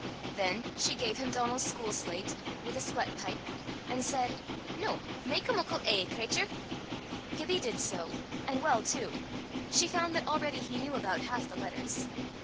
Then she gave him Donal's school slate, with a sklet pike, and said, "Noo, mak a muckle A, cratur." Gibbie did so, and well too: she found that already he knew about half the letters.